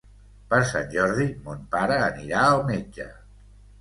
Per Sant Jordi mon pare anirà al metge.